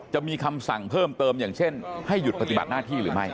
จะมีคำสั่งเพิ่มเติมอย่างเช่นให้หยุดปฏิบัติหน้าที่หรือไม่